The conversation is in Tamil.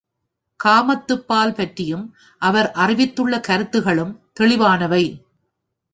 காமத்துப்பால் பற்றியும் அவர் அறிவித்துள்ள கருத்துக்களும் தெளிவானவை.